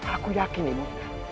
aku yakin ibunda